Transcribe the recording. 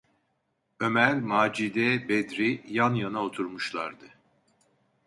Ömer, Macide, Bedri yan yana oturmuşlardı.